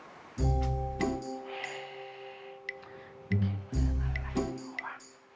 เก่งเรื่องอะไรหรอวะ